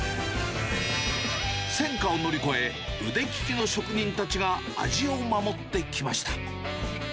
戦火を乗り越え、腕利きの職人たちが味を守ってきました。